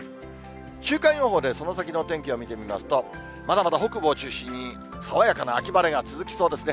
週間予報でその先のお天気を見てみますと、まだまだ北部を中心に、爽やかな秋晴れが続きそうですね。